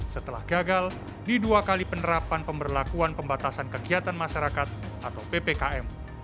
setelah gagal di dua kali penerapan pemberlakuan pembatasan kegiatan masyarakat atau ppkm